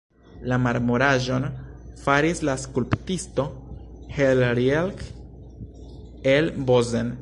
La marmoraĵon faris la skulptisto Hellriegl el Bozen.